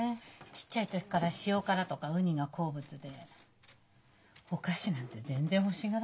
ちっちゃい時から塩辛とかウニが好物でお菓子なんて全然欲しがらなかった。